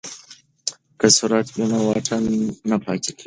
که سرعت وي نو واټن نه پاتې کیږي.